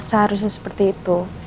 masa harusnya seperti itu